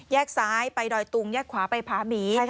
ซ้ายไปดอยตุงแยกขวาไปผาหมี